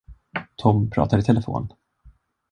Tom pratar i telefon.